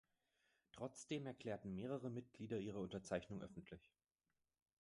Trotzdem erklärten mehrere Mitglieder ihre Unterzeichnung öffentlich.